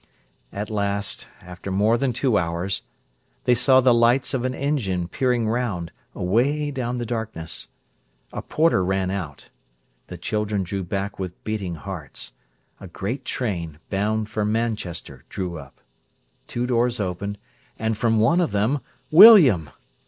At last, after more than two hours, they saw the lights of an engine peering round, away down the darkness. A porter ran out. The children drew back with beating hearts. A great train, bound for Manchester, drew up. Two doors opened, and from one of them, William.